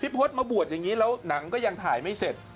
พจน์มาบวชอย่างนี้แล้วหนังก็ยังถ่ายไม่เสร็จ